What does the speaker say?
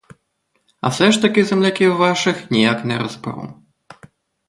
А все ж таки земляків ваших ніяк не розберу.